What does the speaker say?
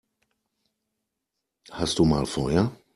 Hast du mal Feuer?